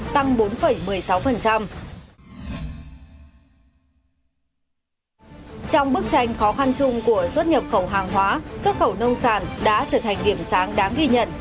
trong bức tranh khó khăn chung của xuất nhập khẩu hàng hóa xuất khẩu nông sản đã trở thành điểm sáng đáng ghi nhận